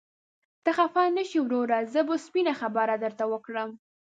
ته خفه نشې وروره، زه به سپينه خبره درته وکړم.